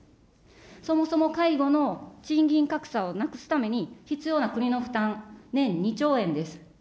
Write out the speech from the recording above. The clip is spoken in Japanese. そもそも介護の賃金格差をなくすために、必要な国の負担、年２兆円です。